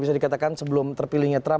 bisa dikatakan sebelum terpilihnya trump